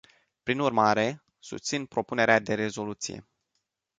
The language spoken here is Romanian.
Prin urmare, susțin propunerea de rezoluție.